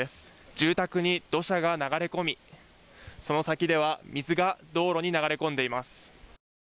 住宅に土砂が流れ込みその先では水が道路に流れ込んでいます。